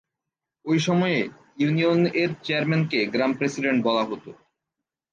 ঐ সময়ে ইউনিয়ন এর চেয়ারম্যান কে গ্রাম প্রেসিডেন্ট বলা হত।